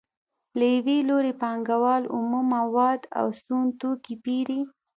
له یو لوري پانګوال اومه مواد او سون توکي پېري